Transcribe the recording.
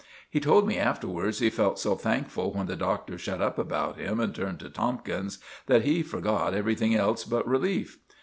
He told me afterwards he felt so thankful when the Doctor shut up about him and turned to Tomkins, that he forgot everything else but relief.